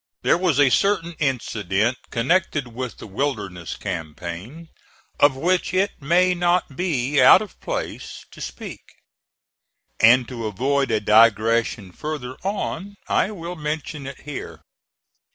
There was a certain incident connected with the Wilderness campaign of which it may not be out of place to speak; and to avoid a digression further on I will mention it here.